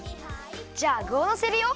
じゃあぐをのせるよ。